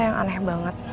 yang aneh banget